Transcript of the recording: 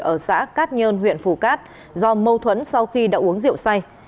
ở xã cát nhơn huyện phù cát do mâu thuẫn sau khi đã uống rượu say